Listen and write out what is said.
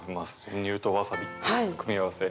練乳とわさびって組み合わせ。